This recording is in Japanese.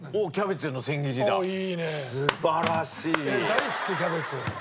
大好きキャベツ。